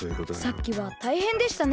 さっきはたいへんでしたね。